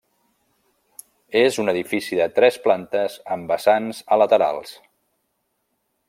És un edifici de tres plantes amb vessants a laterals.